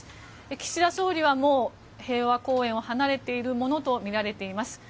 岸田総理はもう平和公園を離れているものとみられています。